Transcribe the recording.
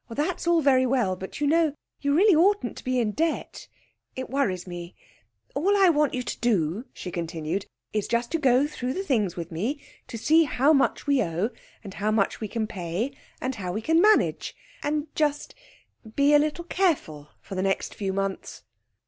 'That's all very well, but you know you really oughtn't to be in debt. It worries me. All I want you to do,' she continued, 'is just to go through the things with me to see how much we owe, how much we can pay, and how we can manage; and just be a little careful for the next few months.'